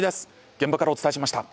現場からお伝えしました。